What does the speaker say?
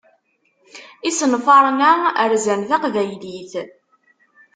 Isenfaṛen-a rzan Taqbaylit.